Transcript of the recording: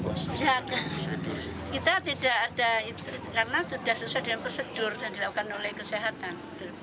ya kita tidak ada itu karena sudah sesuai dengan prosedur yang dilakukan oleh kesehatan